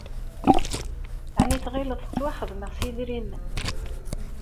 Ɛni tɣileḍ ttwaxedmeɣ s yedrimen?